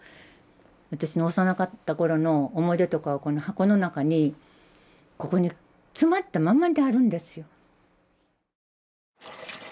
私の幼かったころの思い出とかがこの箱の中にここに詰まったまんまであるんですよ。